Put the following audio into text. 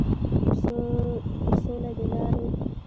ترڅوله دې لارې